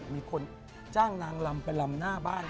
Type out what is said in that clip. มีคนจ้างนางลำไปลำหน้าบ้าน